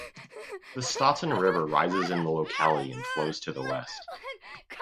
The "Staaten River" rises in the locality and flows to the west.